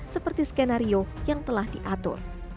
seperti skenario yang telah diatur